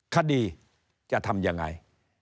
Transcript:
คดีจะทำยังไง